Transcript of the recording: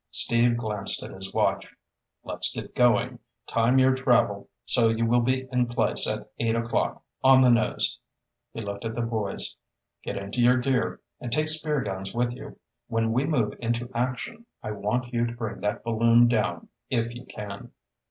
Steve glanced at his watch. "Let's get going. Time your travel so you will be in place at eight o'clock on the nose." He looked at the boys. "Get into your gear, and take spear guns with you. When we move into action, I want you to bring that balloon down if you can."